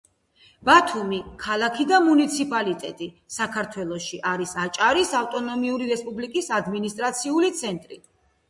ბათუმი — ქალაქი და მუნიციპალიტეტი საქართველოში, არის აჭარის ავტონომიური რესპუბლიკის ადმინისტრაციული ცენტრი.